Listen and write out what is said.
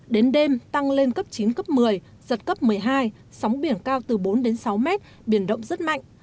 đến đêm tăng lên cấp chín cấp một mươi giật cấp một mươi hai sóng biển cao từ bốn đến sáu mét biển động rất mạnh